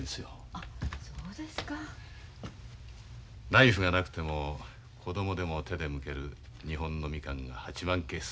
あそうですか。ナイフがなくても子供でも手でむける日本のみかんが８万ケース。